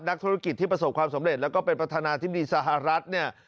นักธุรกิจที่ประสบความสำเร็จแล้วก็เป็นประธานาธิบดีสหรัฐเนี่ย